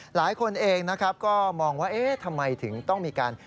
หลายคนเองก็มองว่าทำไมถึงต้องมีการ